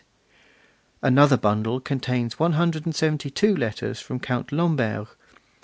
Another bundle contains one hundred and seventy two letters from Count Lamberg.